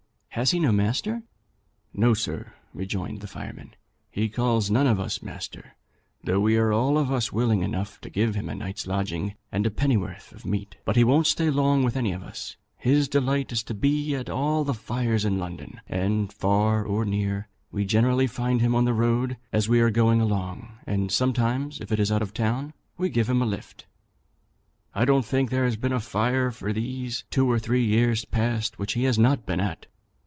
Has he no master?' 'No, sir,' rejoined the fireman; 'he calls none of us master, though we are all of us willing enough to give him a night's lodging and a pennyworth of meat. But he won't stay long with any of us. His delight is to be at all the fires in London; and, far or near, we generally find him on the road as we are going along, and sometimes, if it is out of town, we give him a lift. I don't think there has been a fire for these two or three years past which he has not been at.'